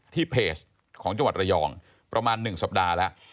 เพจของจังหวัดระยองประมาณ๑สัปดาห์แล้ว